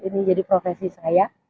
ini jadi profesi saya